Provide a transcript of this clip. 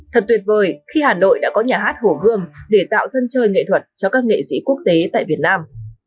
thật tuyệt vời khi hà nội đã có nhà hát hồ gươm để tạo dân chơi nghệ thuật cho các nghệ sĩ quốc tế tại việt nam